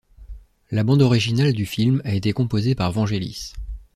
La bande originale du film a été composée par Vangelis.